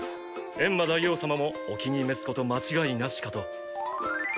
エンマ大王様もお気に召すこと間違いなしかと。